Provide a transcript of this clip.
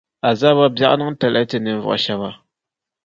Azaaba biεɣu niŋ talahi n-ti ninvuɣu shɛba.